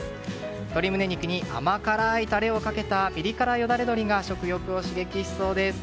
鶏ムネ肉に甘い辛いたれをかけたピリ辛よだれ鶏が食欲を刺激しそうです。